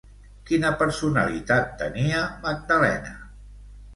Quina personalitat tenia Magdalena?